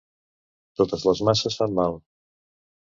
Totes les masses fan mal.